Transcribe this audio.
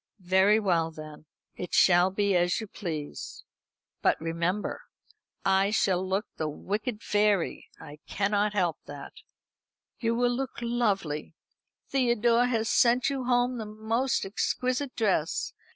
"Very well then; it shall be as you please. But, remember, I shall look like the wicked fairy. I can't help that." "You will look lovely. Theodore has sent you home the most exquisite dress.